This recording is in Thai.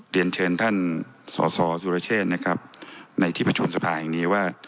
เรียนเชิญท่านสอสอสุรเชษนะครับในที่ประชุมสภาแห่งนี้ว่า